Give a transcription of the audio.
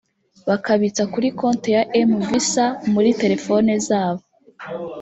bakabitsa kuri konti ya mVisa muri telefone zabo